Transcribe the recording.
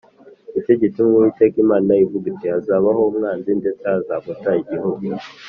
Ni cyo gituma Uwiteka Imana ivuga iti “Hazabaho umwanzi ndetse azagota igihugu